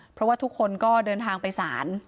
เพราะว่าทุกคนก็เดินทางไปศาล